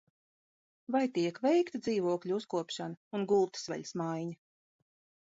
Vai tiek veikta dzīvokļu uzkopšana un gultas veļas maiņa?